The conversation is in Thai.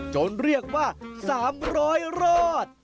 จนเรียกว่าสามร้อยรอด